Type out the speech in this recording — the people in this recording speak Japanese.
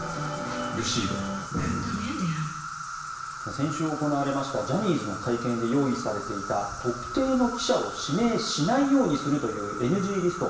先週行われたジャニーズの会見で用意されていた特定の記者を指名しないようにするというＮＧリスト。